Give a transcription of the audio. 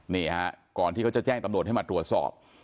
นี่ฮะก่อนที่เขาจะแจ้งตำรวจให้มาตรวจสอบ